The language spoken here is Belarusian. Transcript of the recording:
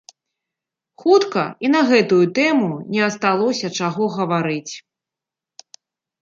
Хутка і на гэтую тэму не асталося чаго гаварыць.